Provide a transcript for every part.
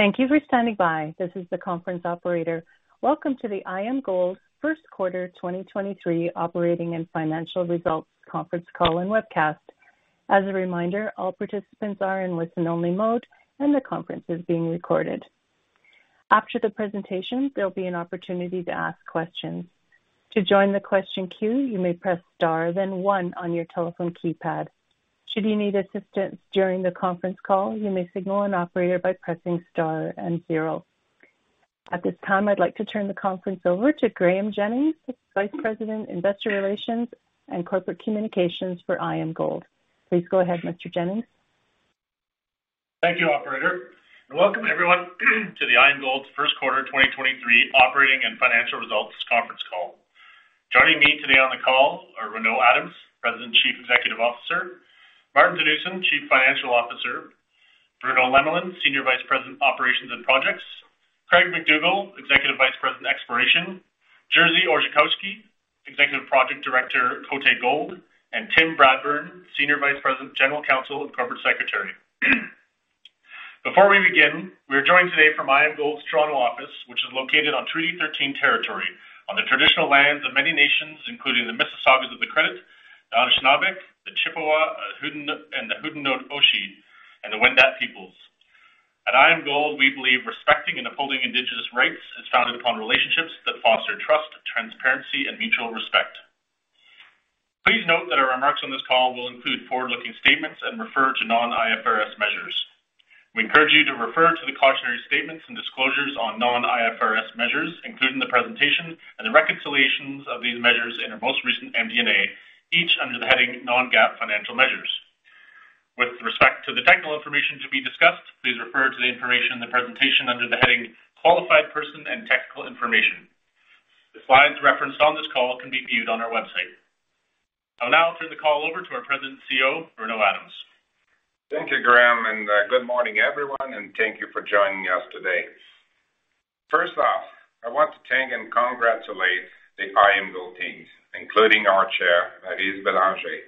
Thank you for standing by. This is the conference operator. Welcome to the IAMGOLD first quarter 2023 operating and financial results conference call and webcast. As a reminder, all participants are in listen-only mode, and the conference is being recorded. After the presentation, there'll be an opportunity to ask questions. To join the question queue, you may press star, then 1 on your telephone keypad. Should you need assistance during the conference call, you may signal an operator by pressing star and 0. At this time, I'd like to turn the conference over to Graeme Jennings, Vice President, Investor Relations and Corporate Communications for IAMGOLD. Please go ahead, Mr. Jennings. Thank you, operator, and welcome everyone to the IAMGOLD first quarter 2023 operating and financial results conference call. Joining me today on the call are Renaud Adams, President, Chief Executive Officer, Maarten Theunissen, Chief Financial Officer, Bruno Lemelin, Senior Vice President, Operations and Projects, Craig MacDougall, Executive Vice President, Exploration, Jerzy Orzechowski, Executive Project Director, Côté Gold, and Tim Bradburn, Senior Vice President, General Counsel, and Corporate Secretary. Before we begin, we are joined today from IAMGOLD's Toronto office, which is located on Treaty 13 territory, on the traditional lands of many nations, including the Mississaugas of the Credit, the Anishinaabe, the Chippewa, the Haudenosaunee, and the Wendat peoples. At IAMGOLD, we believe respecting and upholding Indigenous rights is founded upon relationships that foster trust, transparency, and mutual respect. Please note that our remarks on this call will include forward-looking statements and refer to non-IFRS measures. We encourage you to refer to the cautionary statements and disclosures on non-IFRS measures, including the presentation and the reconciliations of these measures in our most recent MD&A, each under the heading Non-GAAP Financial Measures. With respect to the technical information to be discussed, please refer to the information in the presentation under the heading Qualified Person and Technical Information. The slides referenced on this call can be viewed on our website. I'll now turn the call over to our President and Chief Executive Officer, Renaud Adams. Thank you, Graeme, good morning, everyone, and thank you for joining us today. First off, I want to thank and congratulate the IAMGOLD teams, including our Chair, Maryse Bélanger,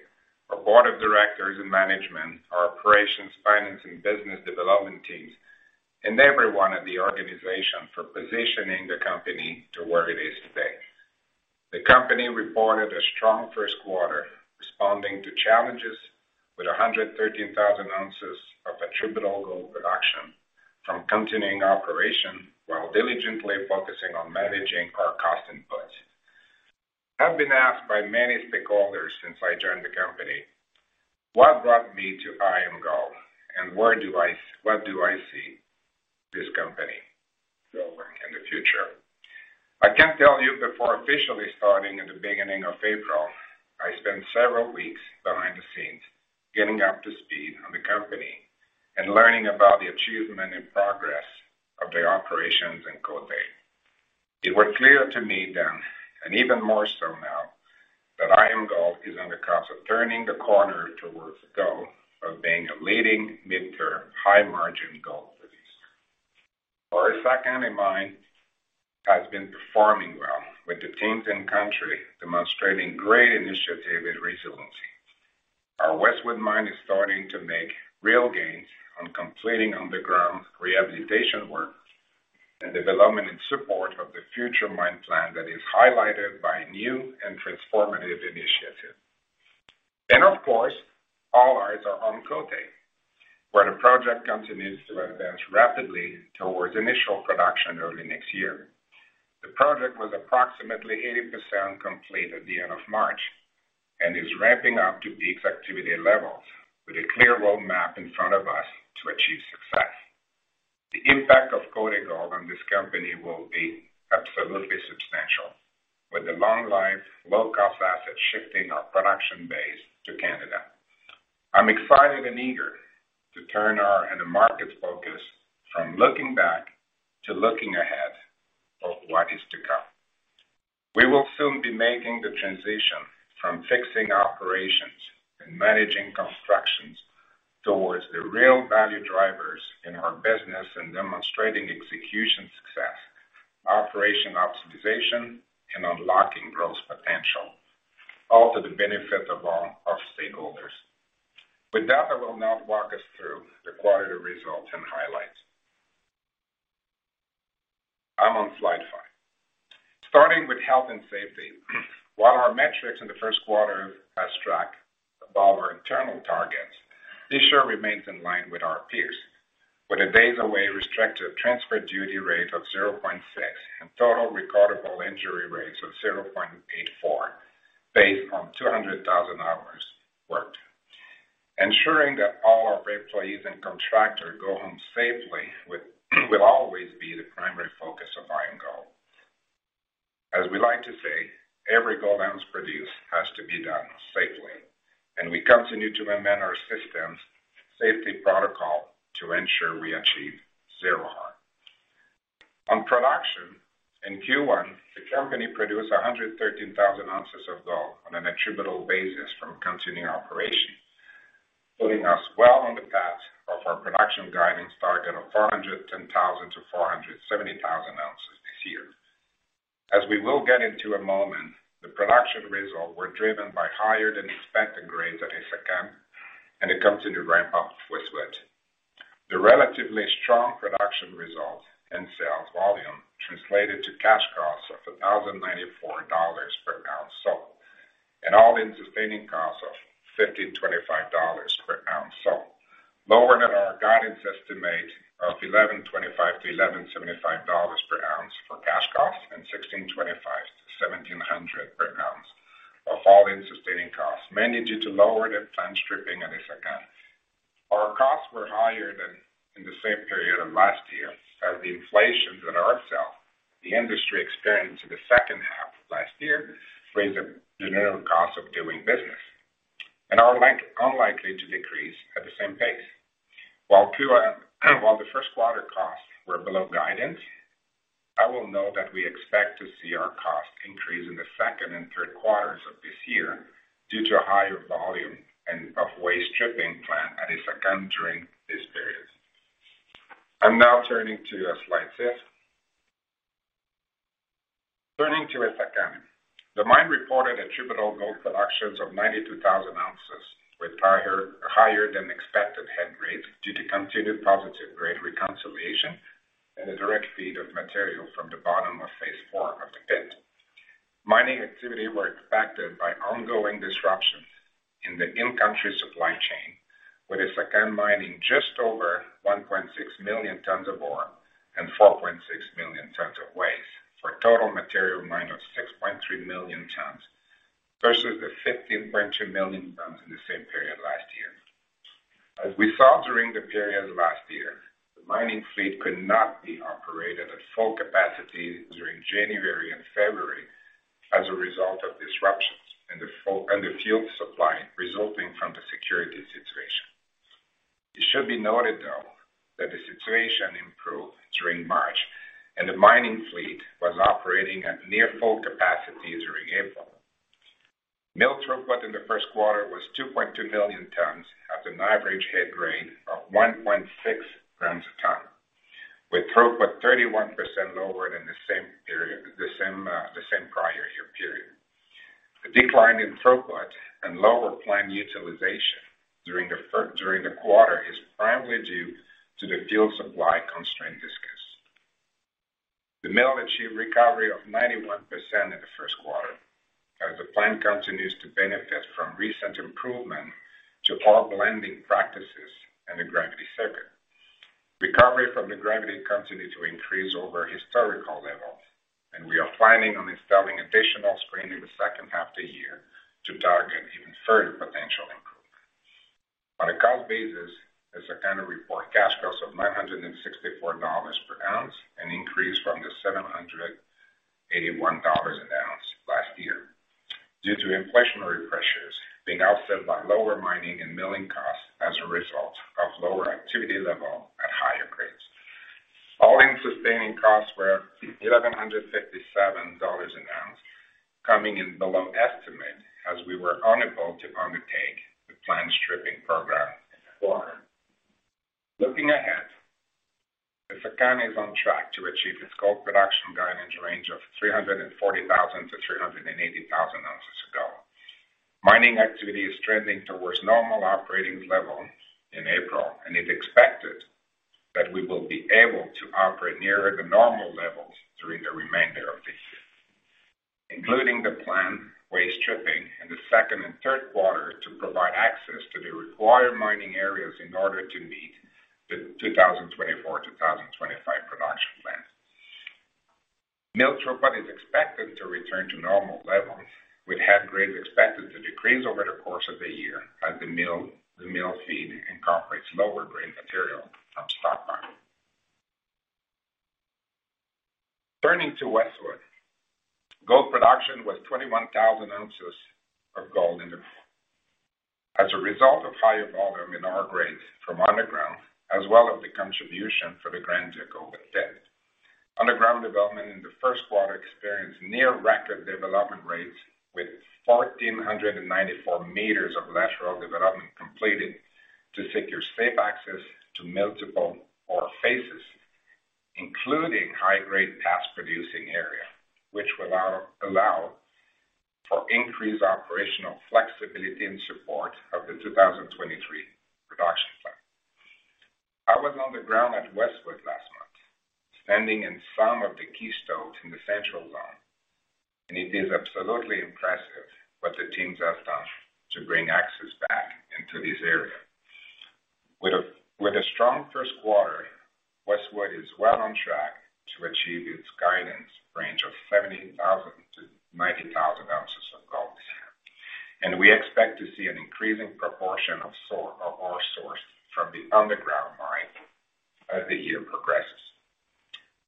our board of directors and management, our operations, finance, and business development teams, and everyone at the organization for positioning the company to where it is today. The company reported a strong first quarter, responding to challenges with 113,000 ounces of attributable gold production from continuing operation while diligently focusing on managing our cost inputs. I've been asked by many stakeholders since I joined the company, what brought me to IAMGOLD and what do I see this company going in the future? I can tell you before officially starting at the beginning of April, I spent several weeks behind the scenes getting up to speed on the company and learning about the achievement and progress of the operations in Côté. It was clear to me then, and even more so now, that IAMGOLD is on the cusp of turning the corner towards the goal of being a leading mid-tier, high-margin gold producer. Our Essakane mine has been performing well with the teams in country demonstrating great initiative and resiliency. Our Westwood Mine is starting to make real gains on completing underground rehabilitation work and development in support of the future mine plan that is highlighted by new and transformative initiatives. Of course, all eyes are on Côté, where the project continues to advance rapidly towards initial production early next year. The project was approximately 80% complete at the end of March and is ramping up to peak activity levels with a clear roadmap in front of us to achieve success. The impact of Côté Gold on this company will be absolutely substantial. With a long life, low-cost asset shifting our production base to Canada. I'm excited and eager to turn our and the market's focus from looking back to looking ahead of what is to come. We will soon be making the transition from fixing operations and managing constructions towards the real value drivers in our business and demonstrating execution success, operation optimization, and unlocking growth potential, all to the benefit of all our stakeholders. With that, I will now walk us through the quarterly results and highlights. I'm on slide five. Starting with health and safety, while our metrics in the first quarter have struck above our internal targets, this year remains in line with our peers, with a days away restricted transfer duty rate of 0.6 and total recordable injury rates of 0.84 based on 200,000 hours worked. Ensuring that all our employees and contractors go home safely will always be the primary focus of IAMGOLD. As we like to say, every gold ounce produced has to be done safely, and we continue to amend our systems safety protocol to ensure we achieve zero harm. On production, in Q1, the company produced 113,000 ounces of gold on an attributable basis from continuing operations, putting us well on the path of our production guidance target of 410,000-470,000 ounces this year. As we will get into a moment, the production results were driven by higher-than-expected grades at Essakane and a continued ramp-up with Westwood. The relatively strong production results and sales volume translated to cash costs of $1,094 per ounce sold, and all-in sustaining costs of $1,525 per ounce sold, lower than our guidance estimate of $1,125-$1,175 per ounce for cash costs and $1,625-$1,700 per ounce of all-in sustaining costs, mainly due to lower-than-planned stripping at Essakane. Our costs were higher than in the same period of last year as the inflations in ourself, the industry experienced in the second half of last year raised the general cost of doing business and are unlikely to decrease at the same pace. While the first quarter costs were below guidance, I will note that we expect to see our costs increase in the second and third quarters of this year due to a higher volume and of waste stripping planned at Essakane during this period. I'm now turning to slide 5. Turning to Essakane. The mine reported attributable gold productions of 92,000 ounces with higher-than-expected head grade due to continued positive grade reconciliation and a direct feed of material from the bottom of Phase IV of the pit. Mining activity were impacted by ongoing disruptions in the in-country supply chain, with Essakane mining just over 1.6 million tons of ore and 4.6 million tons of waste, for a total material mined of 6.3 million tons versus the 15.2 million tons in the same period last year. As we saw during the period last year, the mining fleet could not be operated at full capacity during January and February as a result of disruptions and the field supply resulting from the security situation. It should be noted, though, that the situation improved during March, and the mining fleet was operating at near full capacity during April. Mill throughput in the first quarter was 2.2 million tons at an average head grade of 1.6 grams a ton, with throughput 31% lower than the same prior year period. The decline in throughput and lower plant utilization during the quarter is primarily due to the field supply constraint discussed. The mill achieved recovery of 91% in the first quarter as the plant continues to benefit from recent improvement to ore blending practices in the gravity circuit. Recovery from the gravity continued to increase over historical levels. We are planning on installing additional screening in the second half of the year to target even further potential improvement. On a cost basis, Essakane report cash costs of $964 per ounce, an increase from the $781 an ounce last year due to inflationary pressures being offset by lower mining and milling costs as a result of lower activity level at higher grades. all-in sustaining costs were $1,157 an ounce, coming in below estimate as we were unable to undertake the planned stripping program in Q1. Looking ahead, Essakane is on track to achieve its gold production guidance range of 340,000-380,000 ounces of gold. Mining activity is trending towards normal operating levels in April. It's expected that we will be able to operate nearer the normal levels during the remainder of this year, including the planned waste stripping in the second and third quarter to provide access to the required mining areas in order to meet the 2024 to 2025 production plans. Mill throughput is expected to return to normal levels, with head grades expected to decrease over the course of the year as the mill feed incorporates lower-grade material from stockpile. Turning to Westwood. Gold production was 21,000 ounces of gold as a result of higher volume in ore grades from underground as well as the contribution for the Grand Duc Gold pit. Underground development in the first quarter experienced near record development rates with 1,494 meters of lateral development completed to secure safe access to multiple ore phases, including high-grade past producing area, which will allow for increased operational flexibility in support of the 2023 production plan. I was on the ground at Westwood last month, standing in some of the key stops in the central zone. It is absolutely impressive what the teams have done to bring access back into this area. With a strong first quarter, Westwood is well on track to achieve its guidance range of 70,000-90,000 ounces of gold this year. We expect to see an increasing proportion of ore sourced from the underground mine as the year progresses.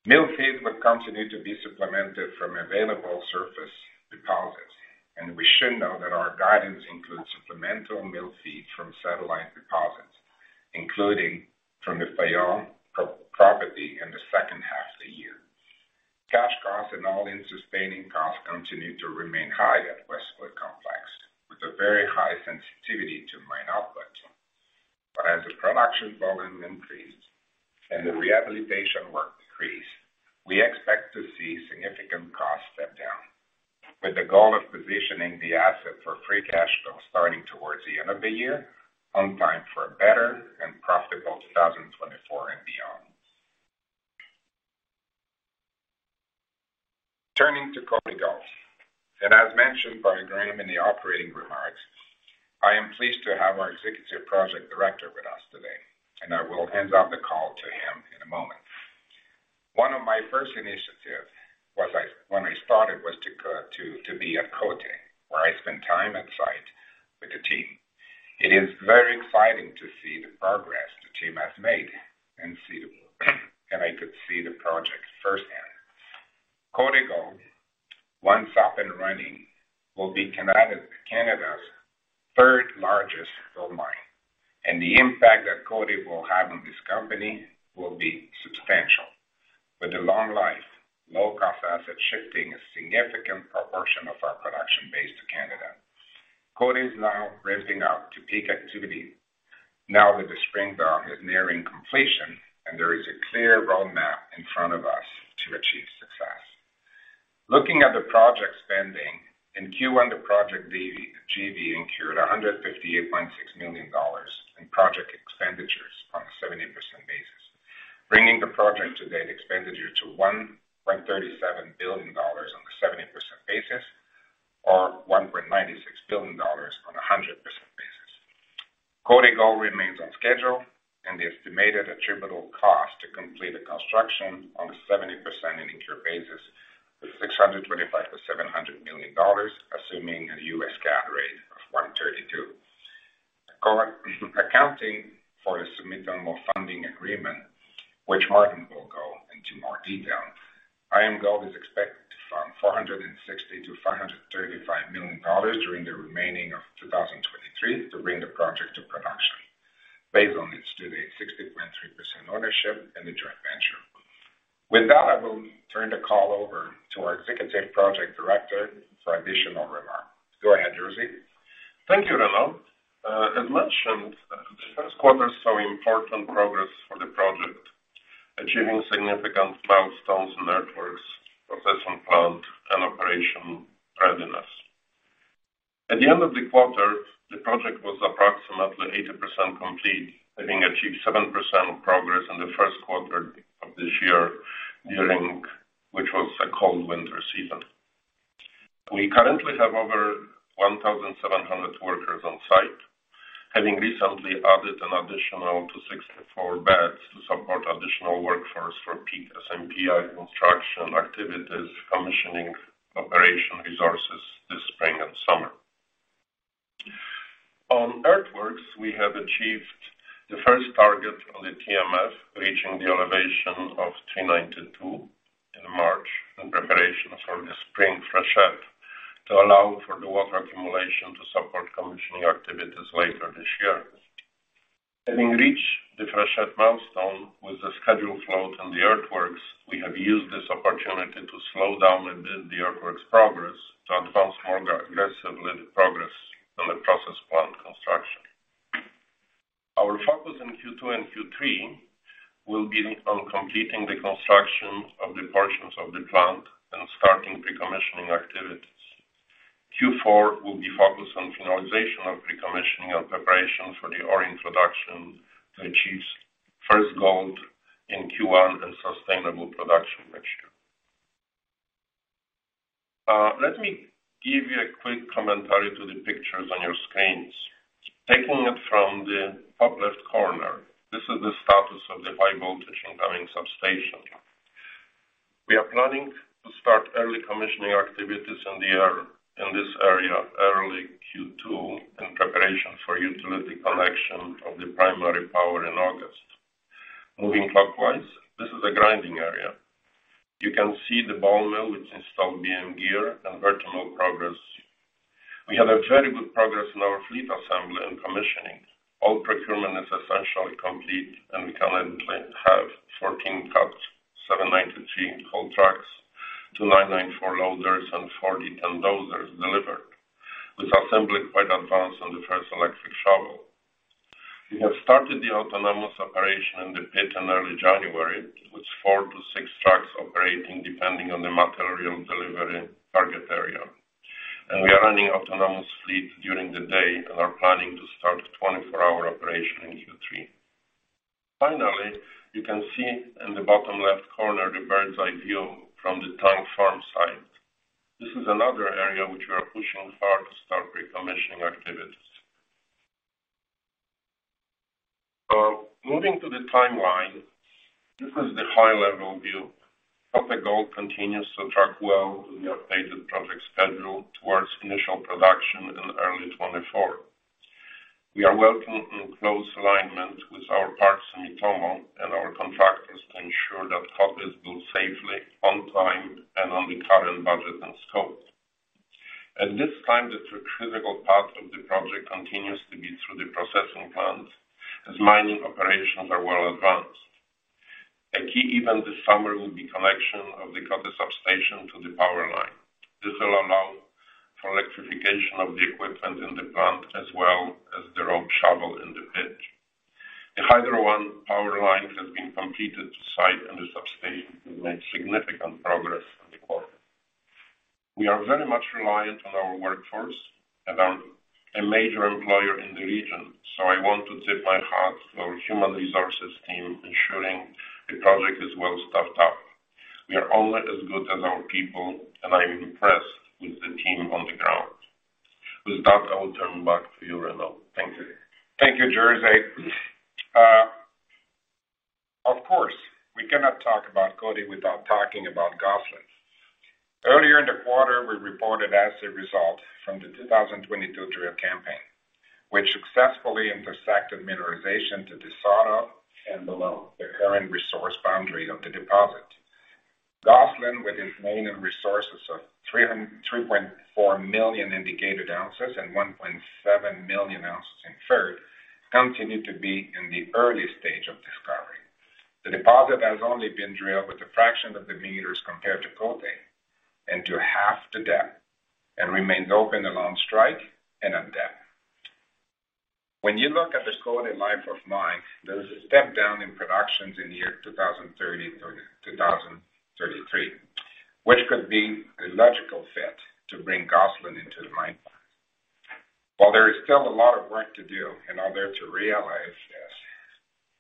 Mill feeds will continue to be supplemented from available surface deposits. We should note that our guidance includes supplemental mill feed from satellite deposits, including from the Fayolle property in the second half of the year. Cash costs and all-in sustaining costs continue to remain high at Westwood Complex. The rehabilitation work decrease, we expect to see significant costs step down with the goal of positioning the asset for free cash flow starting towards the end of the year, on time for a better and profitable 2024 and beyond. Turning to Côté Gold. As mentioned by Graeme in the operating remarks, I am pleased to have our Executive Project Director with us today. I will hand off the call to him in a moment. One of my first initiative was I, when I started, was to be at Côté, where I spend time on site with the team. It is very exciting to see the progress the team has made and see the project firsthand. Côté Gold, once up and running, will be Canada's third largest gold mine. The impact that Côté will have on this company will be substantial. With a long life, low cost asset, shifting a significant proportion of our production base to Canada. Côté is now ramping up to peak activity now that the spring is nearing completion and there is a clear roadmap in front of us to achieve success. Looking at the project spending, in Q1, the project UJV incurred $158.6 million in project expenditures on a 70% basis, bringing the project to date expenditure to $1.37 billion on a 70% basis or $1.96 billion on a 100% basis. Côté Gold remains on schedule and the estimated attributable cost to complete the construction on a 70% in incur basis was $625 million-$700 million, assuming a US CAD rate of 1.32. According accounting for the Sumitomo funding agreement, which Maarten will go into more detail, IAMGOLD is expected to fund $460 million-$535 million during the remaining of 2023 to bring the project to production based on its today 60.3% ownership in the joint venture. I will turn the call over to our executive project director for additional remarks. Go ahead, Jerzy. Thank you, Renaud. As mentioned, the first quarter saw important progress for the project, achieving significant milestones in earthworks, processing plant and operation readiness. At the end of the quarter, the project was approximately 80% complete, having achieved 7% progress in the first quarter of this year during which was a cold winter season. We currently have over 1,700 workers on site, having recently added an additional 264 beds to support additional workforce for peak SMPEI construction activities, commissioning operation resources this spring and summer. On earthworks, we have achieved the first target of the TMF, reaching the elevation of 292 in March in preparation for the spring freshet, to allow for the water accumulation to support commissioning activities later this year. Having reached the freshet milestone with the schedule float on the earthworks, we have used this opportunity to slow down a bit the earthworks progress to advance more aggressively the progress on the process plant construction. Our focus in Q2 and Q3 will be on completing the construction of the portions of the plant and starting pre-commissioning activities. Q4 will be focused on finalization of pre-commissioning and preparation for the ore introduction to achieve first gold in Q1 and sustainable production next year. Let me give you a quick commentary to the pictures on your screens. Taking it from the top left corner, this is the status of the high voltage incoming substation. We are planning to start early commissioning activities in this area early Q2 in preparation for utility collection of the primary power in August. Moving clockwise, this is a grinding area. You can see the ball mill with installed BM gear and vertical progress. We have a very good progress in our fleet assembly and commissioning. All procurement is essentially complete, and we currently have 14 Cat 793 haul trucks, 2 994 loaders and D10T dozers delivered, with assembly quite advanced on the first electric shovel. We have started the autonomous operation in the pit in early January, with 4-6 trucks operating depending on the material delivery target area. We are running autonomous fleet during the day and are planning to start 24-hour operation in Q3. Finally, you can see in the bottom left corner the bird's eye view from the tank farm site. This is another area which we are pushing hard to start pre-commissioning activities. Moving to the timeline, this is the high-level view. Côté Gold continues to track well with the updated project schedule towards initial production in early 2024. We are working in close alignment with our partners, Sumitomo and our contractors to ensure that Côté is built safely on time and on the current budget and scope. At this time, the critical path of the project continues to be through the processing plant as mining operations are well advanced. A key event this summer will be connection of the Côté substation to the power line. This will allow for electrification of the equipment in the plant as well as the rope shovel in the pit. The Hydro One power line has been completed to site, and the substation made significant progress in the quarter. We are very much reliant on our workforce and are a major employer in the region. I want to tip my hat to our human resources team, ensuring the project is well staffed up. We are only as good as our people, and I am impressed with the team on the ground. With that, I will turn back to you, Renaud. Thank you. Thank you, Jerzy. Of course, we cannot talk about Côté without talking about Gosselin. Earlier in the quarter, we reported asset result from the 2022 drill campaign, which successfully intersected mineralization to Renard and below the current resource boundary of the deposit. Gosselin, with its mining resources of 3.4 million indicated ounces and 1.7 million ounces inferred, continued to be in the early stage of discovery. The deposit has only been drilled with a fraction of the meters compared to Côté and to half the depth, and remains open along strike and at depth. When you look at this Côté life of mine, there is a step down in productions in the year 2030 through to 2033, which could be a logical fit to bring Gosselin into the mine. While there is still a lot of work to do in order to realize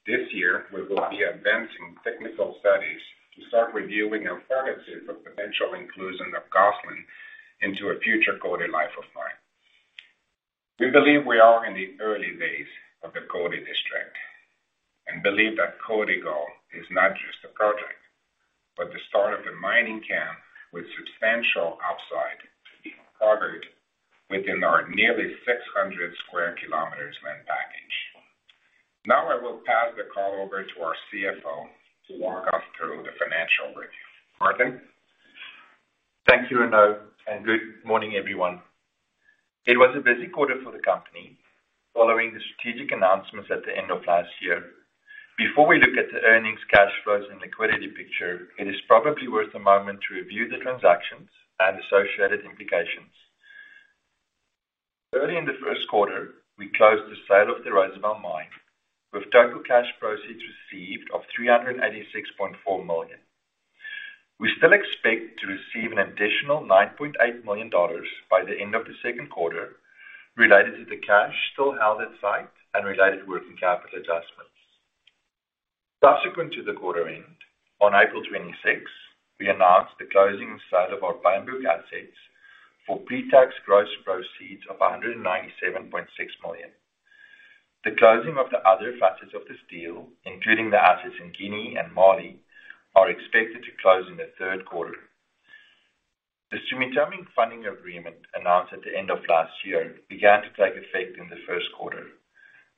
this year we will be advancing technical studies to start reviewing alternatives of potential inclusion of Gosselin into a future Côté life of mine. We believe we are in the early days of the Côté District, and believe that Côté Gold is not just a project, but the start of a mining camp with substantial upside to be covered within our nearly 600 square kilometers land package. I will pass the call over to our CFO to walk us through the financial review. Marteen? Thank you, Renaud. Good morning, everyone. It was a busy quarter for the company following the strategic announcements at the end of last year. Before we look at the earnings, cash flows, and liquidity picture, it is probably worth a moment to review the transactions and associated implications. Early in the first quarter, we closed the sale of the Rosebel mine, with total cash proceeds received of $386.4 million. We still expect to receive an additional $9.8 million by the end of the second quarter related to the cash still held at site and related working capital adjustments. Subsequent to the quarter end, on April 26, we announced the closing sale of our Bambouk assets for pre-tax gross proceeds of $197.6 million. The closing of the other facets of this deal, including the assets in Guinea and Mali, are expected to close in the third quarter. The Sumitomo funding agreement announced at the end of last year began to take effect in the first quarter,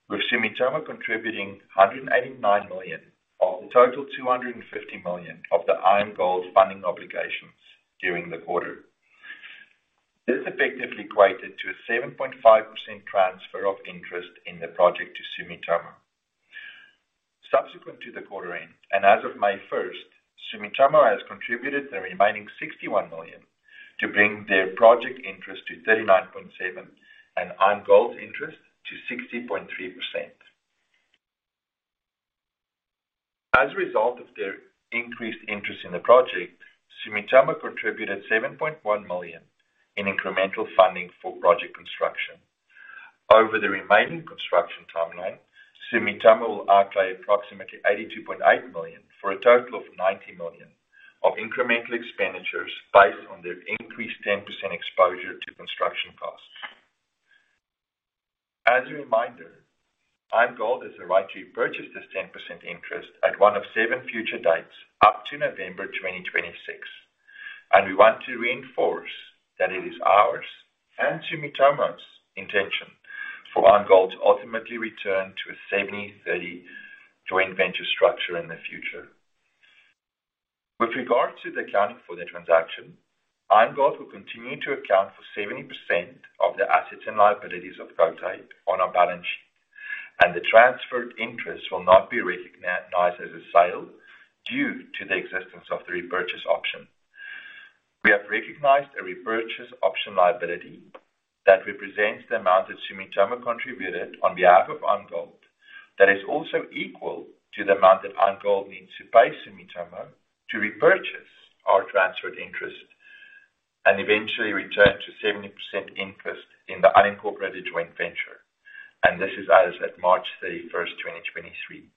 with Sumitomo contributing $189 million of the total $250 million of the IAMGOLD funding obligations during the quarter. This effectively equated to a 7.5% transfer of interest in the project to Sumitomo. Subsequent to the quarter end, and as of May 1st, Sumitomo has contributed the remaining $61 million to bring their project interest to 39.7, and IAMGOLD's interest to 60.3%. As a result of their increased interest in the project, Sumitomo contributed $7.1 million in incremental funding for project construction. Over the remaining construction timeline, Sumitomo will outlay approximately $82.8 million, for a total of $90 million of incremental expenditures based on their increased 10% exposure to construction costs. As a reminder, IAMGOLD has the right to repurchase this 10% interest at one of 7 future dates up to November 2026, and we want to reinforce that it is ours and Sumitomo's intention for IAMGOLD to ultimately return to a 70/30 joint venture structure in the future. With regard to the accounting for the transaction, IAMGOLD will continue to account for 70% of the assets and liabilities of Côté on our balance sheet, and the transferred interest will not be recognized as a sale due to the existence of the repurchase option. We have recognized a repurchase option liability that represents the amount that Sumitomo contributed on behalf of IAMGOLD, that is also equal to the amount that IAMGOLD needs to pay Sumitomo to repurchase our transferred interest and eventually return to 70% interest in the unincorporated joint venture. This is as at March 31, 2023.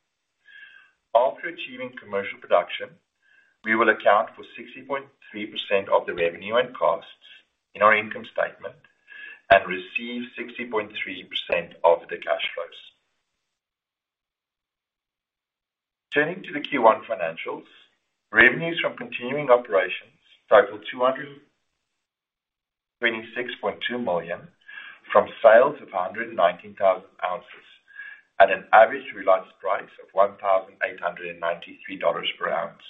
After achieving commercial production, we will account for 60.3% of the revenue and costs in our income statement and receive 60.3% of the cash flows. Turning to the Q1 financials, revenues from continuing operations totaled $226.2 million from sales of 119,000 ounces at an average realized price of $1,893 per ounce.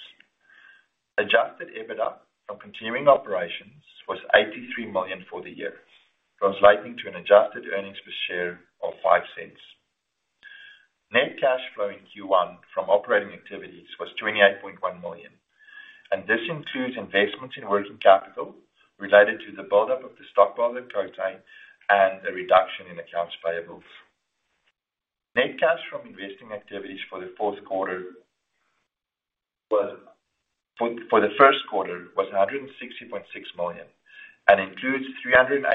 Adjusted EBITDA from continuing operations was $83 million for the year, translating to an adjusted earnings per share of $0.05. Net cash flow in Q1 from operating activities was $28.1 million, this includes investments in working capital related to the buildup of the stockpile at Côté and the reduction in accounts payables. Net cash from investing activities for the fourth quarter was for the first quarter was $160.6 million, includes $386.4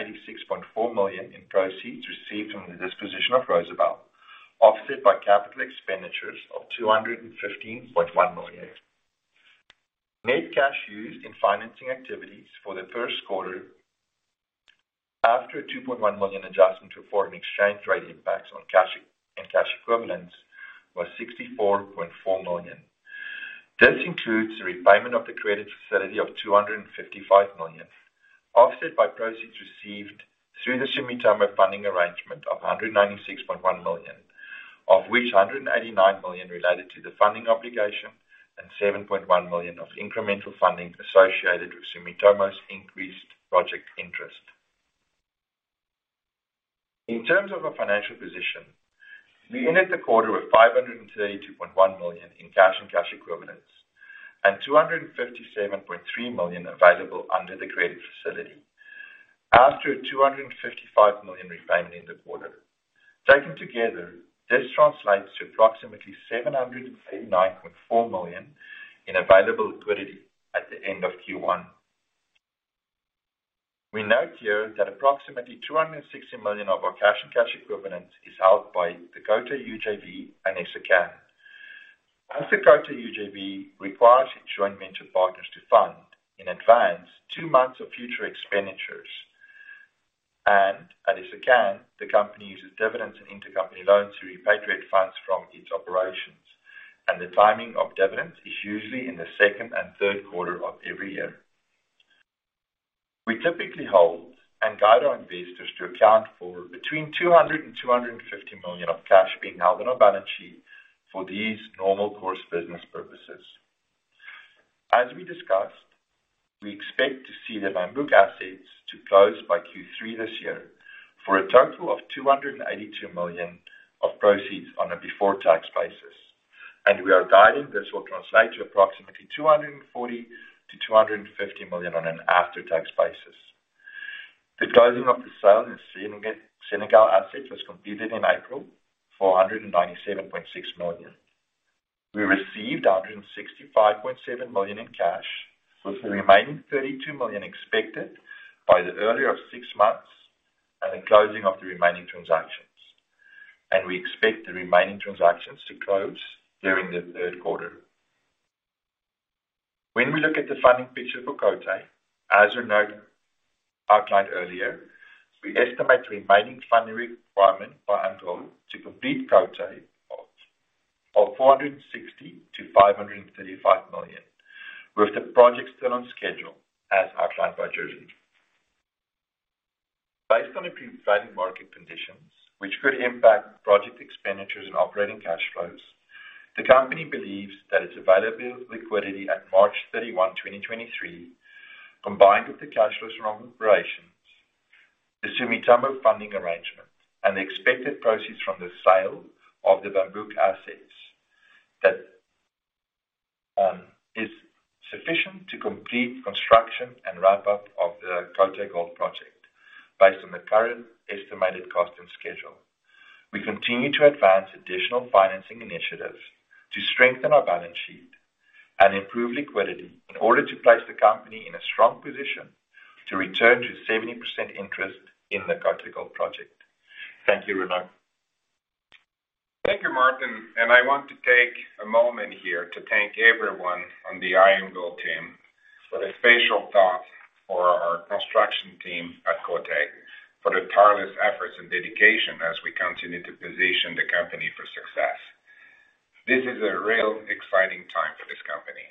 million in proceeds received from the disposition of Rosebel, offset by capital expenditures of $215.1 million. Net cash used in financing activities for the first quarter after a $2.1 million adjustment to foreign exchange rate impacts on cash and cash equivalents was $64.4 million. This includes the repayment of the credit facility of $255 million, offset by proceeds received through the Sumitomo funding arrangement of $196.1 million, of which $189 million related to the funding obligation and $7.1 million of incremental funding associated with Sumitomo's increased project interest. In terms of our financial position, we ended the quarter with $532.1 million in cash and cash equivalents, and $257.3 million available under the credit facility after a $255 million repayment in the quarter. Taken together, this translates to approximately $739.4 million in available liquidity at the end of Q1. We note here that approximately $260 million of our cash and cash equivalents is held by the Côté Gold UJV and Essakane. As the Côté Gold UJV requires its joint venture partners to fund in advance 2 months of future expenditures and, at Essakane, the company uses dividends and intercompany loans to repatriate funds from its operations. The timing of dividends is usually in the second and third quarter of every year. We typically hold and guide our investors to account for between $200 million and $250 million of cash being held on our balance sheet for these normal course business purposes. As we discussed, we expect to see the Bambouk assets to close by Q3 this year for a total of $282 million of proceeds on a before tax basis. We are guiding this will translate to approximately $240 million-$250 million on an after-tax basis. The closing of the sale in Senegal assets was completed in April for $197.6 million. We received $165.7 million in cash, with the remaining $32 million expected by the earlier of six months and the closing of the remaining transactions. We expect the remaining transactions to close during the third quarter. When we look at the funding picture for Côté, as Renaud outlined earlier, we estimate the remaining funding requirement by Anglo to complete Côté of $460 million-$535 million, with the project still on schedule as outlined by Jerzy. Based on the prevailing market conditions, which could impact project expenditures and operating cash flows, the company believes that its available liquidity at March 31, 2023, combined with the cash flows from operations, the Sumitomo funding arrangement and the expected proceeds from the sale of the Bambouk assets, that is sufficient to complete construction and ramp up of the Côté Gold Project based on the current estimated cost and schedule. We continue to advance additional financing initiatives to strengthen our balance sheet and improve liquidity in order to place the company in a strong position to return to 70% interest in the Côté Gold project. Thank you, Renaud. Thank you, Martin. I want to take a moment here to thank everyone on the IAMGOLD team with a special thanks for our construction team at Côté for their tireless efforts and dedication as we continue to position the company for success. This is a real exciting time for this company.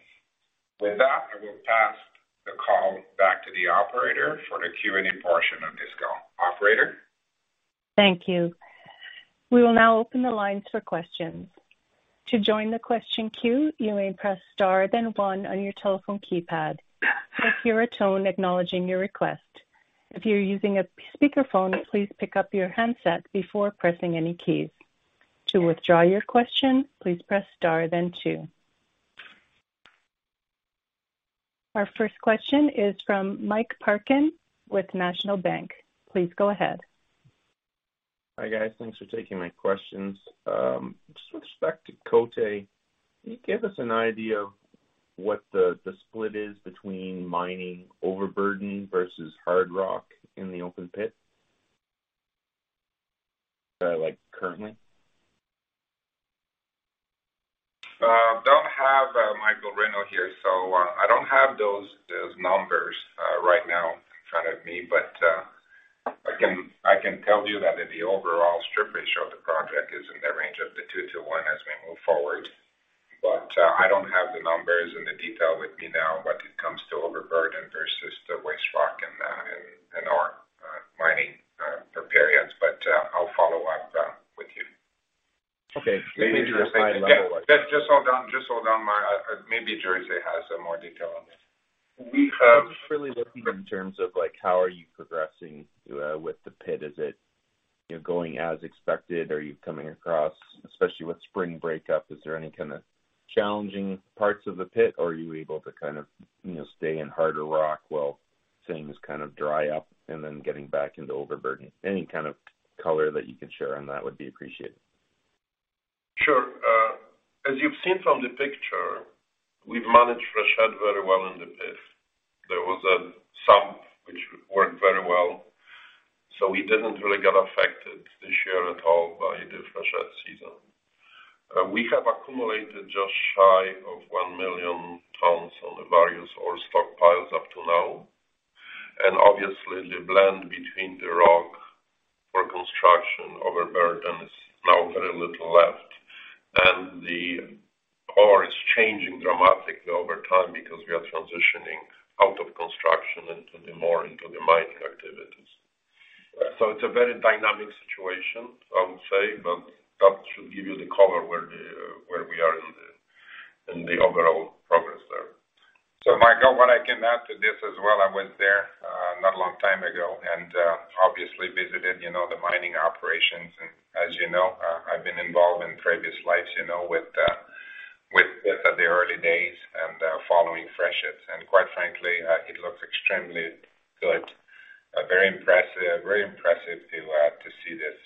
With that, I will pass the call back to the operator for the Q&A portion of this call. Operator? Thank you. We will now open the lines for questions. To join the question queue, you may press star then one on your telephone keypad. You will hear a tone acknowledging your request. If you are using a speakerphone, please pick up your handset before pressing any keys. To withdraw your question, please press star then two. Our first question is from Mike Parkin with National Bank. Please go ahead. Hi, guys. Thanks for taking my questions. Just with respect to Côté, can you give us an idea of what the split is between mining overburden versus hard rock in the open pit? Like currently. Don't have Renaud Adams here, I don't have those numbers right now in front of me. I can tell you that the overall strip ratio of the project is in the range of the two to one as we move forward. I don't have the numbers and the detail with me now when it comes to overburden versus the waste rock and our mining preparedness. I'll follow up with you. Okay. Maybe just a high level- Just hold on, maybe Jersey has some more detail on this. We have- Just really looking in terms of like how are you progressing with the pit? Is it, you know, going as expected? Are you coming across, especially with spring breakup, is there any kind of challenging parts of the pit, or are you able to kind of, you know, stay in harder rock while things kind of dry up and then getting back into overburden? Any kind of color that you can share on that would be appreciated. Sure. As you've seen from the picture, we've managed freshet very well in the pit. There was some which worked very well, so we didn't really get affected this year at all by the freshet season. We have accumulated just shy of 1 million tons on the various ore stockpiles up to now. Obviously the blend between the rock for construction overburden is now very little left, and the ore is changing dramatically over time because we are transitioning out of construction into the more into the mining activities. It's a very dynamic situation I would say, but that should give you the color where we are in the, in the overall progress there. Michael, what I can add to this as well, I was there, not a long time ago, and obviously visited, you know, the mining operations. As you know, I've been involved in previous lives, you know, with the early days and following freshets. Quite frankly, it looks extremely good, very impressive. Very impressive to see this,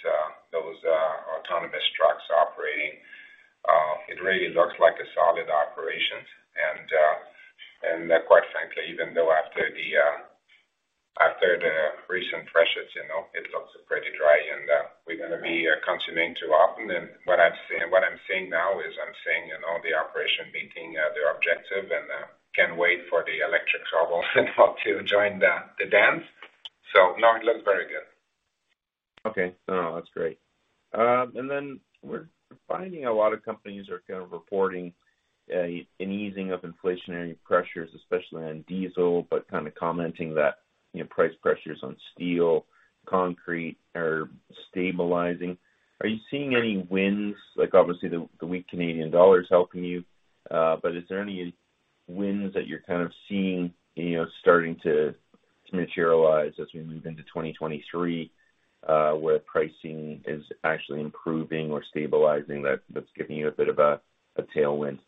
those autonomous trucks operating. It really looks like a solid operation. Quite frankly, even though after the recent freshets, you know, it looks pretty dry and we're gonna be consuming too often. What I'm seeing now is I'm seeing, you know, the operation meeting their objective and can't wait for the electric shovel to join the dance. No, it looks very good. Okay. No, that's great. We're finding a lot of companies are kind of reporting an easing of inflationary pressures, especially on diesel, but kind of commenting that, you know, price pressures on steel, concrete are stabilizing. Are you seeing any winds, like, obviously the weak Canadian dollar is helping you, but is there any winds that you're kind of seeing, you know, starting to materialize as we move into 2023, where pricing is actually improving or stabilizing that's giving you a bit of a tailwind?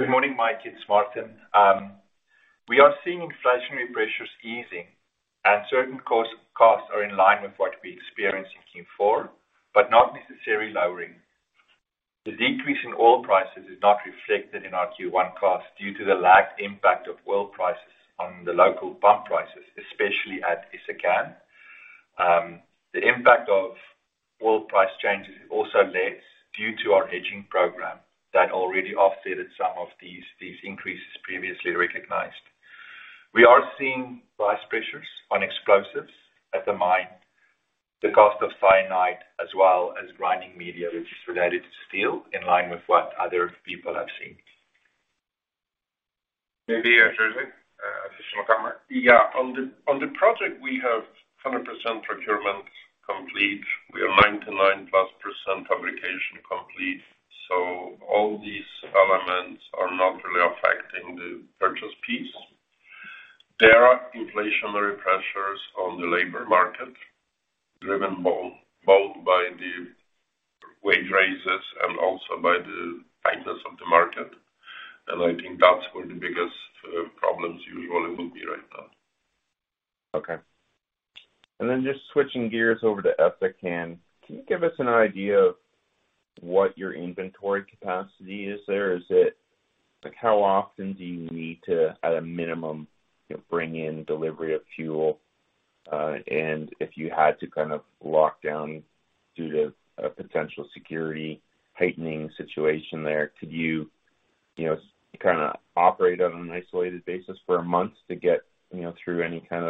Good morning, Mike, it's Maarten. We are seeing inflationary pressures easing and certain costs are in line with what we experienced in Q4, but not necessarily lowering. The decrease in oil prices is not reflected in our Q1 costs due to the lagged impact of oil prices on the local pump prices, especially at Essakane. The impact of oil price changes is also less due to our hedging program that already offsetted some of these increases previously recognized. We are seeing price pressures on explosives at the mine, the cost of cyanide as well as grinding media, which is related to steel in line with what other people have seen. Maybe, Jerzy, additional comment. Yeah. On the project, we have 100% procurement complete. We are 99% plus fabrication complete. All these elements are not really affecting the purchase piece. There are inflationary pressures on the labor market, driven both by the wage raises and also by the tightness of the market. I think that's where the biggest problems usually will be right now. Just switching gears over to Essakane, can you give us an idea of what your inventory capacity is there? How often do you need to, at a minimum, you know, bring in delivery of fuel? If you had to kind of lock down due to a potential security heightening situation there, could you know, kinda operate on an isolated basis for months to get, you know, through any kind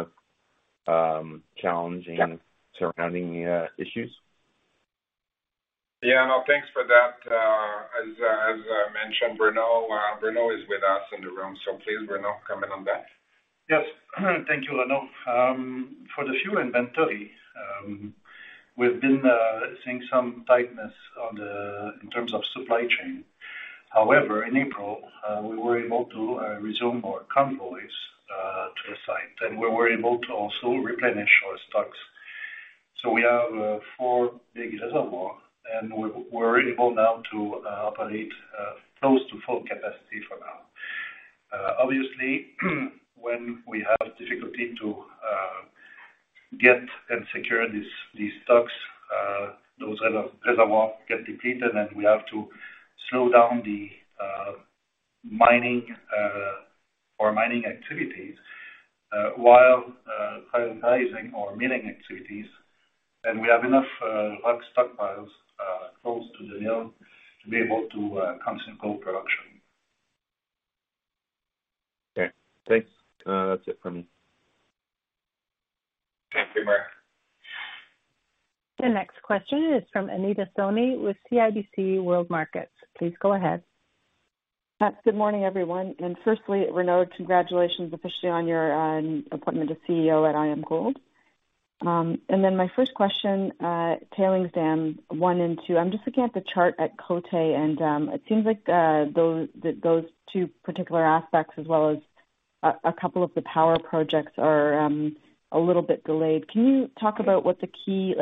of challenging surrounding issues? Yeah. No, thanks for that. As I mentioned, Renaud is with us in the room, so please, Renaud, comment on that. Yes. Thank you, Renaud. For the fuel inventory, we've been seeing some tightness in terms of supply chain. However, in April, we were able to resume our convoys to the site, and we were able to also replenish our stocks. We have four big reservoir, and we're able now to operate close to full capacity for now. Obviously, when we have difficulty to get and secure these stocks, those reservoir get depleted and we have to slow down the mining or mining activities while prioritizing our milling activities. We have enough rock stockpiles close to the mill to be able to continue gold production. Okay. Thanks. That's it for me. Thank you, Mike. The next question is from Anita Soni with CIBC World Markets. Please go ahead. Good morning, everyone. Firstly, Renaud, congratulations officially on your appointment as CEO at IAMGOLD. My first question, tailings dam 1 and 2, I'm just looking at the chart at Côté, it seems like those two particular aspects as well as a couple of the power projects are a little bit delayed. Can you talk about what the key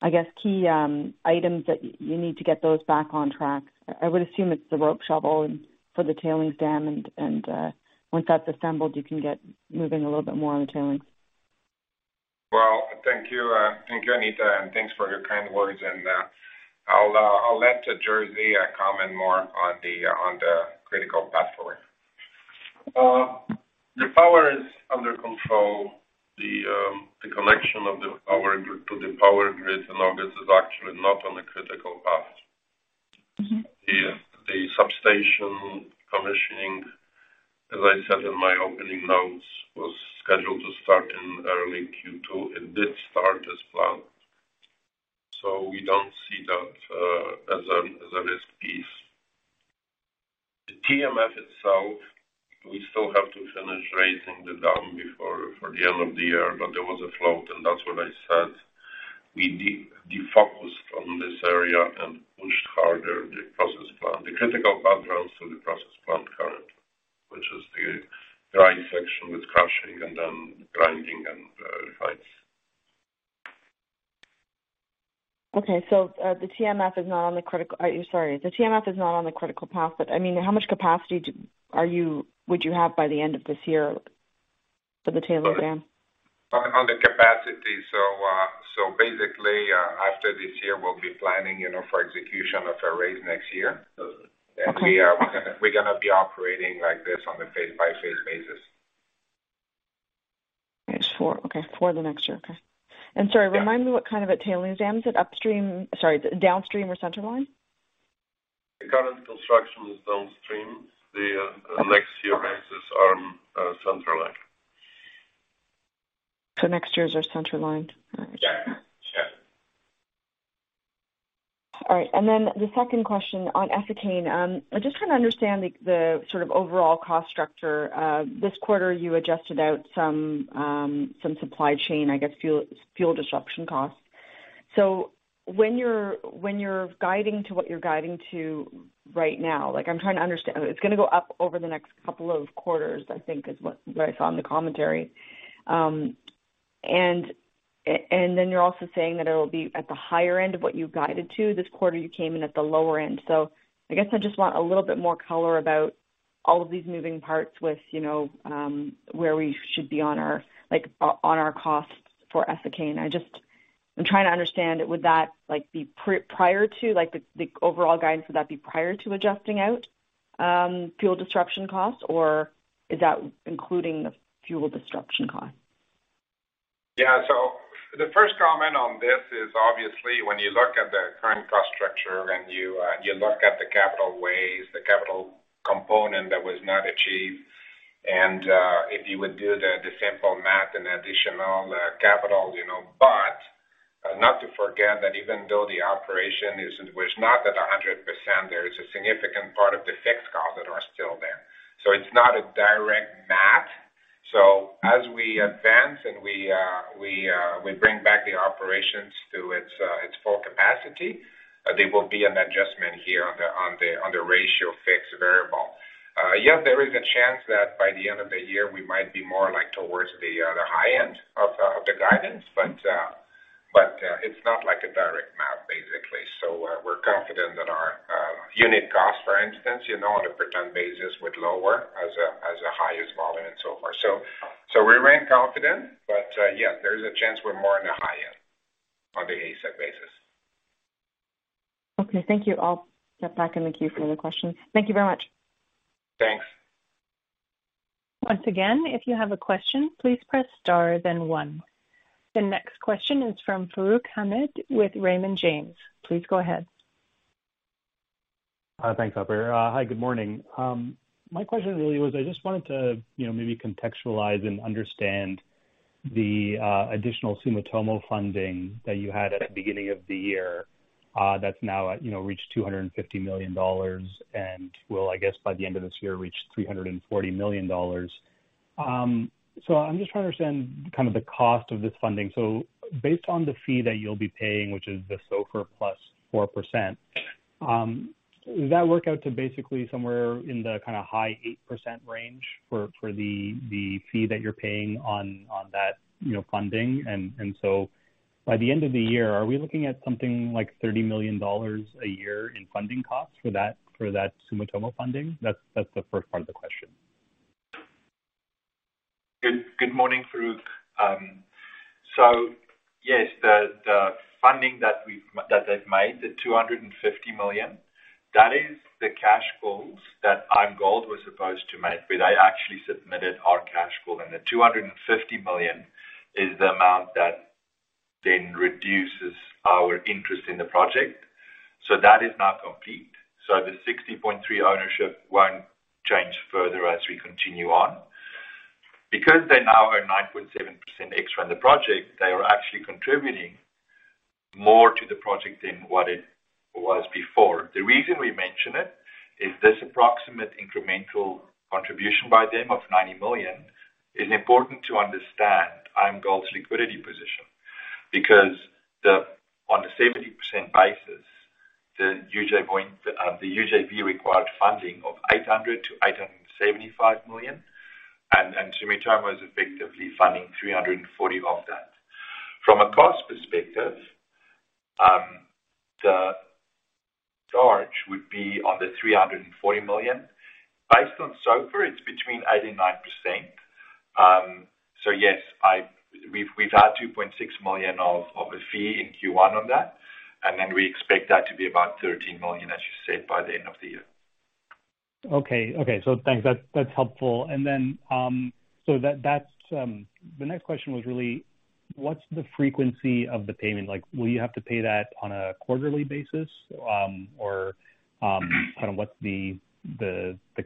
items that you need to get those back on track? I would assume it's the rope shovel and for the tailings dam once that's assembled, you can get moving a little bit more on the tailings. Well, thank you. Thank you, Anita, and thanks for your kind words. I'll let Jerzy comment more on the critical path forward. The power is under control. The connection of the power grid to the power grid in August is actually not on a critical path. Mm-hmm. The substation commissioning, as I said in my opening notes, was scheduled to start in early Q2. It did start as planned. We don't see that as a risk piece. The TMF itself, we still have to finish raising the dam before the end of the year, there was a float, and that's what I said. We defocused on this area and pushed harder the process plant. The critical path runs through the process plant current, which is the dry section with crushing and then grinding and refines. Okay. The TMF is not on the critical... sorry. The TMF is not on the critical path, but, I mean, how much capacity would you have by the end of this year for the tailings dam? On the capacity. Basically, after this year, we'll be planning, you know, for execution of a raise next year. Okay. We are, we're gonna be operating like this on a phase by phase basis. Phase IV. Okay. For the next year. Okay. Yeah. Remind me what kind of a tailings dam? Is it downstream or center line? The current construction is downstream. The next year raises are center line. Next year's are centerline. Yeah. Yeah. The second question on Essakane. I'm just trying to understand the sort of overall cost structure. This quarter you adjusted out some supply chain, I guess, fuel disruption costs. When you're, when you're guiding to what you're guiding to right now, like I'm trying to understand. It's gonna go up over the next couple of quarters, I think is what I saw in the commentary. Then you're also saying that it'll be at the higher end of what you guided to. This quarter you came in at the lower end. I guess I just want a little bit more color about all of these moving parts with, you know, on our costs for Essakane. I just. I'm trying to understand, would that, like, be prior to, like the overall guidance, would that be prior to adjusting out fuel disruption costs? Or is that including the fuel disruption cost? Yeah. The first comment on this is obviously when you look at the current cost structure and you look at the capital ways, the capital component that was not achieved, and if you would do the simple math and additional capital, you know, but not to forget that even though the operation was not at 100%, there is a significant part of the fixed costs that are still there. It's not a direct math. As we advance and we bring back the operations to its full capacity, there will be an adjustment here on the ratio fixed variable. Yes, there is a chance that by the end of the year we might be more like towards the high end of the guidance, but it's not like a direct math, basically. We're confident that our unit cost for instance, you know, on a per ton basis would lower as a highest volume and so forth. We remain confident, but yes, there is a chance we're more in the high end on the Essakane basis. Okay. Thank you. I'll step back in the queue for other questions. Thank you very much. Thanks. Once again, if you have a question, please press star then One. The next question is from Farooq Hamed with Raymond James. Please go ahead. Thanks, operator. Hi, good morning. My question really was, I just wanted to, you know, maybe contextualize and understand the additional Sumitomo funding that you had at the beginning of the year, that's now, you know, reached $250 million and will, I guess by the end of this year, reach $340 million. I'm just trying to understand kind of the cost of this funding. Based on the fee that you'll be paying, which is the SOFR plus 4%, does that work out to basically somewhere in the kinda high 8% range for the fee that you're paying on that, you know, funding? By the end of the year, are we looking at something like $30 million a year in funding costs for that, for that Sumitomo funding? That's the first part of the question. Good morning, Farooq. Yes, the funding that they've made, the $250 million, that is the cash calls that IAMGOLD was supposed to make, but they actually submitted our cash call. The $250 million is the amount that then reduces our interest in the project. That is now complete. The 60.3 ownership won't change further as we continue on. They now own 9.7% extra in the project, they are actually contributing More to the project than what it was before. The reason we mention it is this approximate incremental contribution by them of $90 million is important to understand IAMGOLD's liquidity position because the on a 70% basis, the UJV required funding of $800 million-$875 million and Sumitomo is effectively funding $340 million of that. From a cost perspective, the charge would be on the $340 million. Based on SOFR, it's between 89%. Yes, I we've had $2.6 million of a fee in Q1 on that, and then we expect that to be about $13 million, as you said, by the end of the year. Okay. Okay. Thanks. That's helpful. Then that's. The next question was really what's the frequency of the payment? Like, will you have to pay that on a quarterly basis, or, kind of, what's the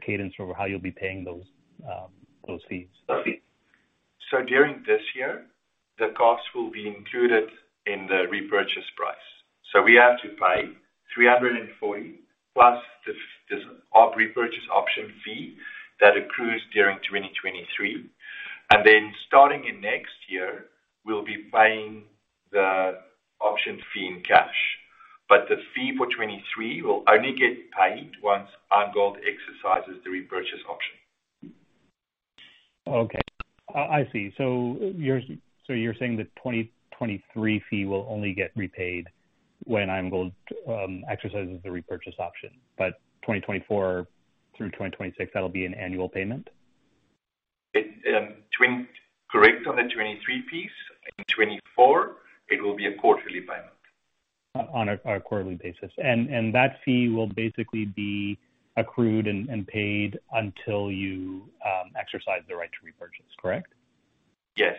cadence over how you'll be paying those fees? During this year, the costs will be included in the repurchase price. We have to pay $340 plus this repurchase option fee that accrues during 2023. Then starting in next year we'll be paying the option fee in cash. The fee for 2023 will only get paid once IAMGOLD exercises the repurchase option. Okay. I see. You're saying the 2023 fee will only get repaid when IAMGOLD exercises the repurchase option, but 2024 through 2026, that'll be an annual payment? It, correct on the 23 piece. In 24, it will be a quarterly payment. On a quarterly basis. That fee will basically be accrued and paid until you exercise the right to repurchase, correct? Yes.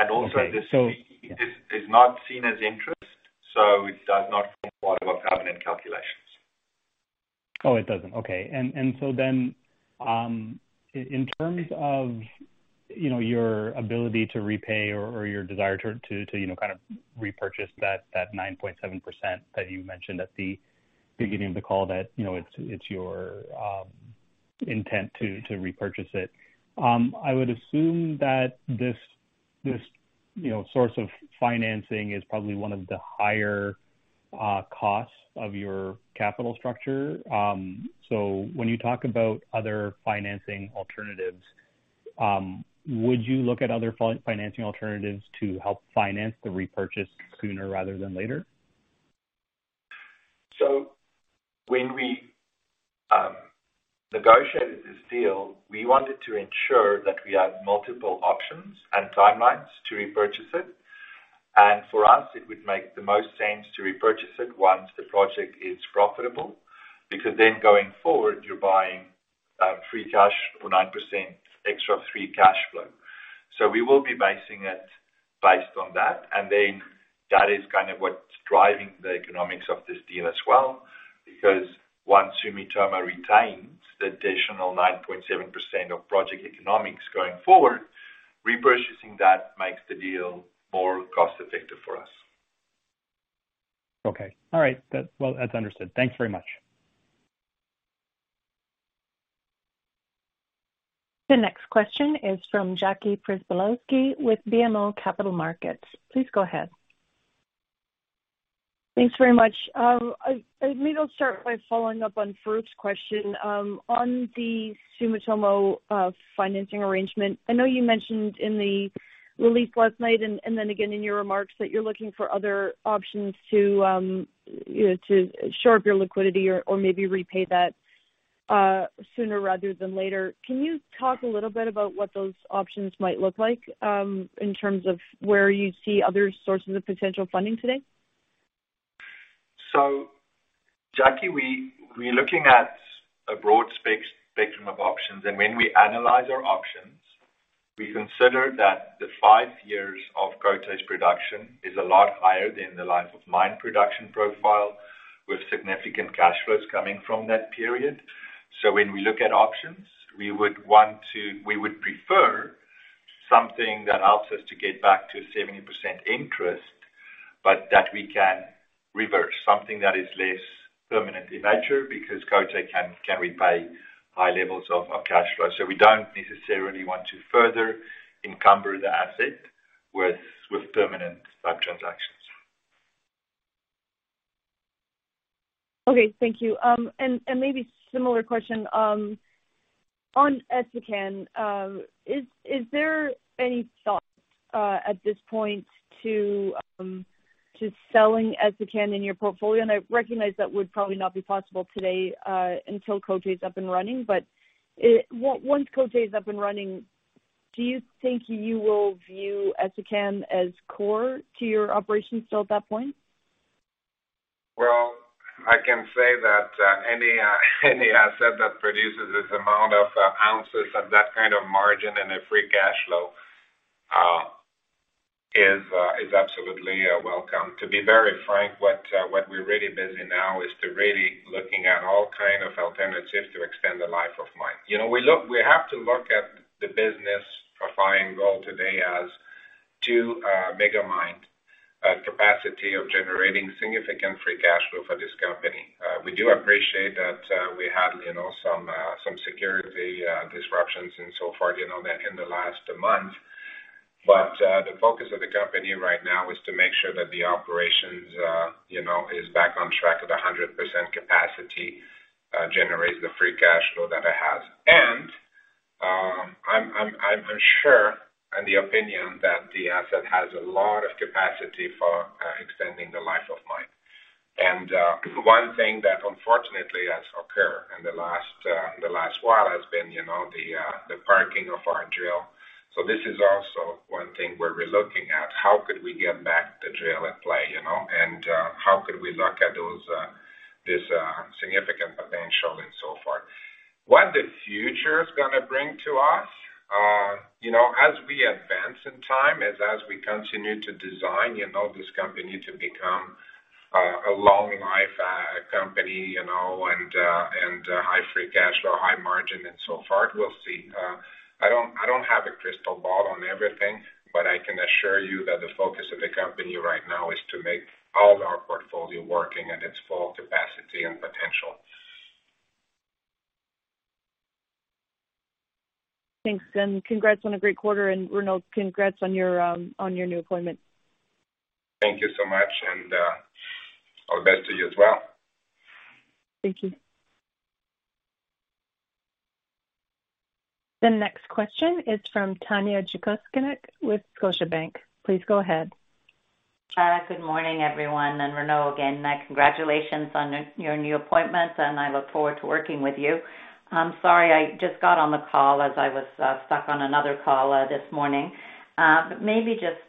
Okay. Also this fee, this is not seen as interest, so it does not form part of our covenant calculations. It doesn't. Okay. In terms of, you know, your ability to repay or your desire to repurchase that 9.7% that you mentioned at the beginning of the call, that, you know, it's your intent to repurchase it. I would assume that this, you know, source of financing is probably one of the higher costs of your capital structure. When you talk about other financing alternatives, would you look at other financing alternatives to help finance the repurchase sooner rather than later? When we negotiated this deal, we wanted to ensure that we have multiple options and timelines to repurchase it. For us, it would make the most sense to repurchase it once the project is profitable, because then going forward, you're buying free cash for 9% extra free cash flow. We will be basing it based on that. That is kind of what's driving the economics of this deal as well, because once Sumitomo retains the additional 9.7% of project economics going forward, repurchasing that makes the deal more cost effective for us. Okay. All right. That, well, that's understood. Thanks very much. The next question is from Jackie Przybylowski with BMO Capital Markets. Please go ahead. Thanks very much. I maybe I'll start by following up on Farooq's question. On the Sumitomo financing arrangement, I know you mentioned in the release last night and then again in your remarks that you're looking for other options to, you know, to shore up your liquidity or maybe repay that sooner rather than later. Can you talk a little bit about what those options might look like, in terms of where you see other sources of potential funding today? Jackie, we're looking at a broad spectrum of options, and when we analyze our options, we consider that the 5 years of Côté production is a lot higher than the life of mine production profile, with significant cash flows coming from that period. When we look at options, we would prefer something that helps us to get back to 70% interest, but that we can reverse something that is less permanent in nature because Côté can repay high levels of cash flow. We don't necessarily want to further encumber the asset with permanent type transactions. Okay. Thank you. Maybe similar question on Essakane, is there any thought at this point to selling Essakane in your portfolio? I recognize that would probably not be possible today, until Côté's up and running. Once Côté is up and running, do you think you will view Essakane as core to your operations still at that point? Well, I can say that any asset that produces this amount of ounces of that kind of margin and a free cash flow is absolutely welcome. To be very frank, what we're really busy now is to really looking at all kind of alternatives to extend the life of mine. You know, we have to look at the business for IAMGOLD today as- Megamined capacity of generating significant free cash flow for this company. We do appreciate that we had, you know, some security disruptions and so far, you know, in the last month. The focus of the company right now is to make sure that the operations, you know, is back on track at 100% capacity, generates the free cash flow that I have. I'm sure, in the opinion that the asset has a lot of capacity for extending the life of mine. One thing that unfortunately has occurred in the last, in the last while has been, you know, the parking of our drill. This is also one thing where we're looking at how could we get back the drill at play, you know, and how could we look at those, this significant potential and so forth. What the future is gonna bring to us, you know, as we advance in time, is as we continue to design, you know, this company to become a long life company, you know, and high free cash flow, high margin and so forth. We'll see. I don't, I don't have a crystal ball on everything, but I can assure you that the focus of the company right now is to make all of our portfolio working at its full capacity and potential. Thanks, and congrats on a great quarter, and Renaud, congrats on your new appointment. Thank you so much, and all the best to you as well. Thank you. The next question is from Tanya Jakusconek with Scotiabank. Please go ahead. Good morning, everyone, and Renaud, again, my congratulations on your new appointment, and I look forward to working with you. I'm sorry, I just got on the call as I was stuck on another call this morning. Maybe just,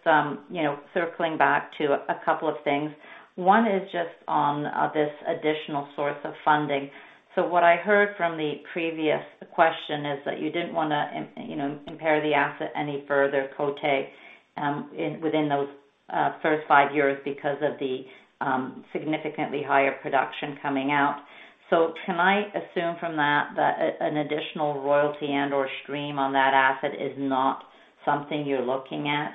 you know, circling back to a couple of things. One is just on this additional source of funding. What I heard from the previous question is that you didn't want to you know, impair the asset any further, Côté, in, within those, first five years because of the significantly higher production coming out. Can I assume from that an additional royalty and/or stream on that asset is not something you're looking at?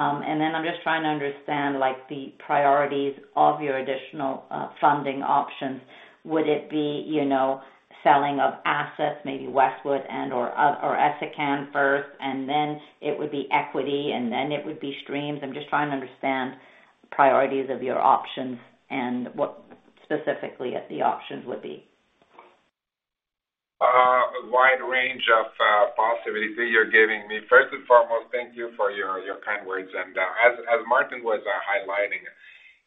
I'm just trying to understand, like, the priorities of your additional funding options. Would it be, you know, selling of assets, maybe Westwood and-or or Essakane first, and then it would be equity, and then it would be streams? I'm just trying to understand priorities of your options and what specifically the options would be. A wide range of possibility you're giving me. First and foremost, thank you for your kind words. As Maarten was highlighting,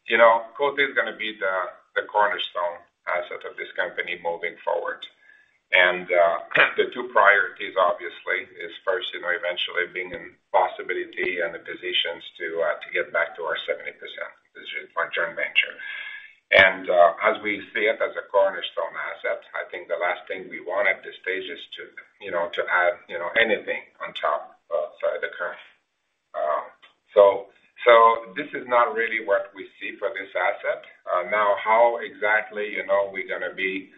you know, Côté is gonna be the cornerstone asset of this company moving forward. The two priorities, obviously, is first, you know, eventually being in possibility and the positions to get back to our 70%, which is my joint venture. As we see it as a cornerstone asset, I think the last thing we want at this stage is to, you know, to add, you know, anything on top of the curve. So this is not really what we see for this asset. How exactly, you know, we're gonna be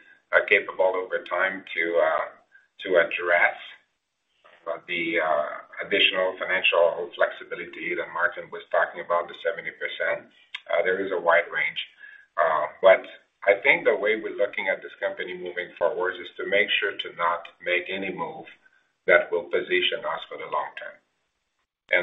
capable over time to address the additional financial flexibility that Maarten was talking about, the 70%, there is a wide range. I think the way we're looking at this company moving forward is to make sure to not make any move that will position us for the long term.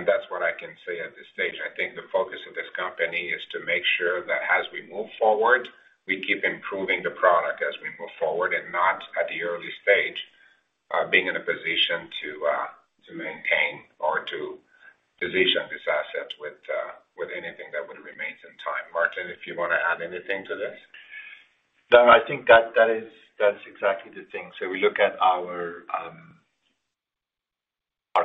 That's what I can say at this stage. I think the focus of this company is to make sure that as we move forward, we keep improving the product as we move forward and not at the early stage, being in a position to maintain or to position this asset with anything that would remain some time. Maarten, if you wanna add anything to this. No, I think that is exactly the thing. We look at our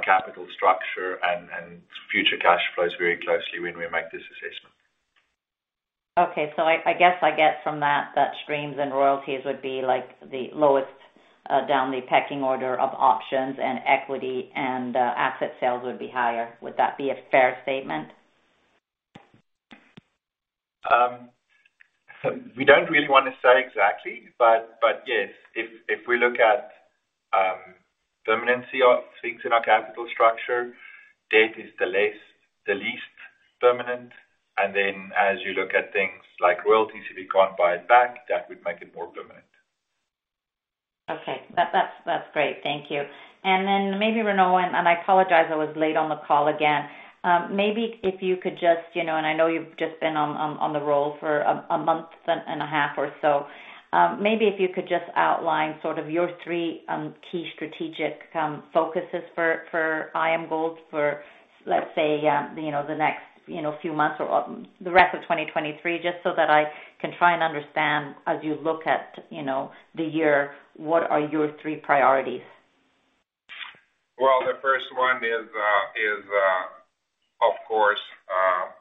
capital structure and future cash flows very closely when we make this assessment. I guess I get from that streams and royalties would be like the lowest, down the pecking order of options, and equity and asset sales would be higher. Would that be a fair statement? We don't really want to say exactly, but yes, if we look at permanency of things in our capital structure, debt is the least permanent. Then as you look at things like royalties, if you can't buy it back, that would make it more permanent. Okay. That's great. Thank you. Maybe Renaud, and I apologize I was late on the call again. Maybe if you could just, you know, and I know you've just been on the roll for a month and a half or so. Maybe if you could just outline sort of your three key strategic focuses for IAMGOLD for, let's say, you know, the next, you know, few months or the rest of 2023, just so that I can try and understand as you look at, you know, the year, what are your three priorities? The first one is,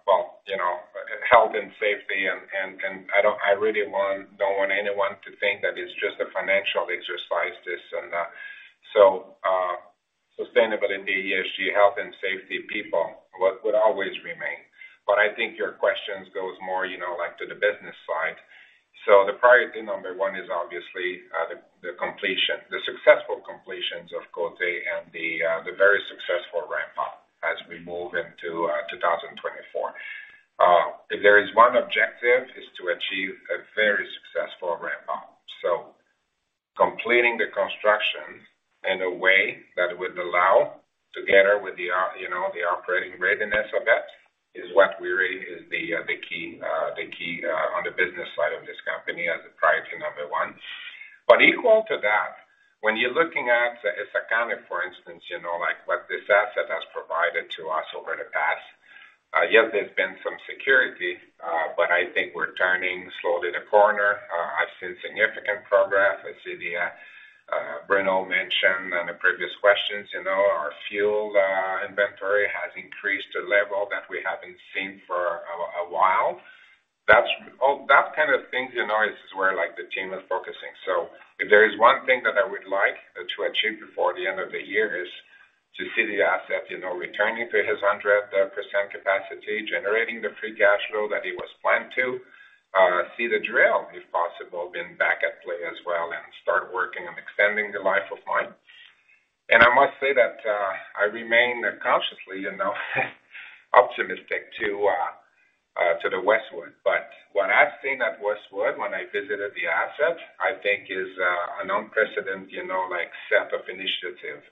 well, you know, health and safety and I really don't want anyone to think that it's just a financial exercise, this and that. Sustainability, ESG, health and safety, people, what would always remain. I think your questions goes more, you know, like, to the business side. The priority number one is obviously the completion, the successful completions of Côté and the very successful ramp up as we move into 2024. If there is one objective, is to achieve a very successful ramp up. Completing the construction in a way that would allow together with the operating readiness of it, is what really is the key, the key on the business side of this company as a priority number 1. But equal to that, when you're looking at as a company, for instance, you know, like what this asset has provided to us over the past, yes, there's been some security, but I think we're turning slowly the corner. I've seen significant progress. I see Bruno mentioned on the previous questions, you know, our fuel inventory has increased to a level that we haven't seen for a while. That's that kind of thing, you know, is where, like, the team is focusing. If there is one thing that I would like to achieve before the end of the year is to see the asset, you know, returning to his 100% capacity, generating the free cash flow that he was planned to, see the drill, if possible, being back at play as well and start working on extending the life of mine. I must say that I remain cautiously, you know, optimistic to the Westwood. What I've seen at Westwood when I visited the asset, I think is an unprecedented, you know, like, set of initiative.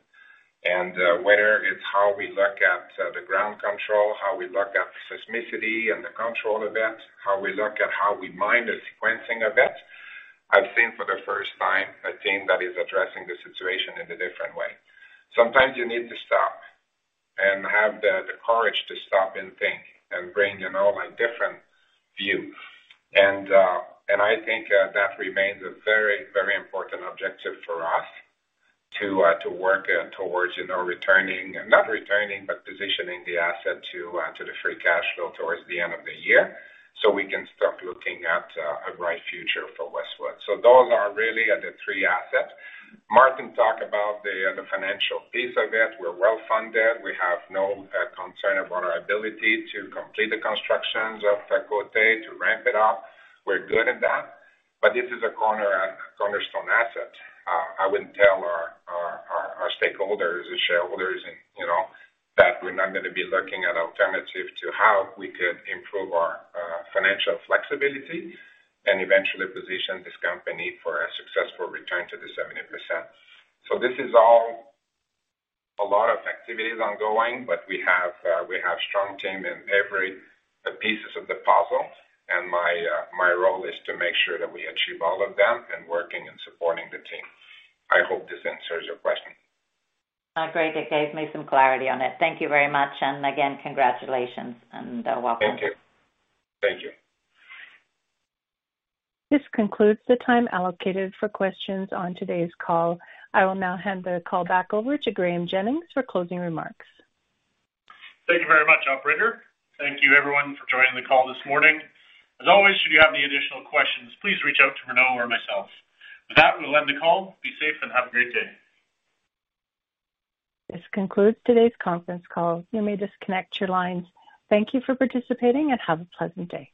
Whether it's how we look at the ground control, how we look at seismicity and the control of it, how we look at how we mine the sequencing of it. I've seen for the first time a team that is addressing the situation in a different way. Sometimes you need to stop and have the courage to stop and think and bring, you know, a different view. I think that remains a very, very important objective for us to work towards, you know, returning... Not returning, but positioning the asset to the free cash flow towards the end of the year so we can start looking at a bright future for Westwood. Those are really the three assets. Maarten talked about the financial piece of it. We're well-funded. We have no concern about our ability to complete the constructions of the Côté to ramp it up. We're good at that. This is a cornerstone asset. I wouldn't tell our stakeholders or shareholders and, you know, that we're not gonna be looking at alternative to how we could improve our financial flexibility and eventually position this company for a successful return to the 70%. This is all a lot of activities ongoing, but we have strong team in every pieces of the puzzle. My role is to make sure that we achieve all of them and working and supporting the team. I hope this answers your question. Great. It gave me some clarity on it. Thank you very much. Again, congratulations and welcome. Thank you. Thank you. This concludes the time allocated for questions on today's call. I will now hand the call back over to Graeme Jennings for closing remarks. Thank you very much, operator. Thank you everyone for joining the call this morning. As always, should you have any additional questions, please reach out to Renaud or myself. With that, we'll end the call. Be safe and have a great day. This concludes today's conference call. You may disconnect your lines. Thank you for participating and have a pleasant day.